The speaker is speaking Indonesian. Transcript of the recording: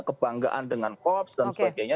kebanggaan dengan kops dan sebagainya